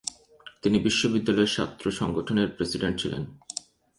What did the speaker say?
তিনি বিশ্ববিদ্যালয়ের ছাত্র সংগঠনের প্রেসিডেন্ট ছিলেন।